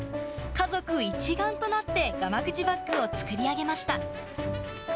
家族一丸となってがま口バッグを作り上げました。